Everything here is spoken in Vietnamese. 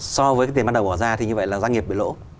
so với cái tiền ban đầu bỏ ra thì như vậy là doanh nghiệp bị lỗ